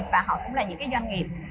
và họ cũng là những doanh nghiệp